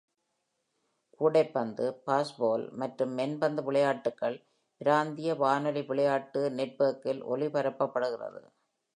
கூடைப்பந்து, பேஸ்பால் மற்றும் மென்பந்து விளையாட்டுக்கள் பிராந்திய வானொலி விளையாட்டு நெட்வொர்க்கில் ஒளிபரப்பப்படுகிறது.